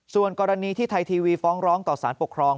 ส่วนกรณีที่ไทยทีวีฟ้องร้องต่อสารปกครอง